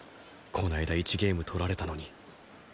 この間１ゲーム取られたのに。